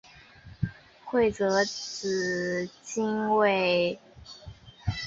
会泽紫堇为罂粟科紫堇属下的一个变种。